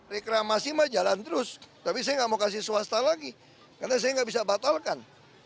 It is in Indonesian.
reklamasi mah jalan terus tapi saya nggak mau kasih swasta lagi karena saya nggak bisa batalkan